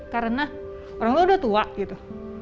karena orang tua udah tua gitu